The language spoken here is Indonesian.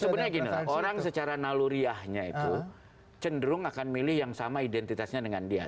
sebenarnya gini orang secara naluriahnya itu cenderung akan milih yang sama identitasnya dengan dia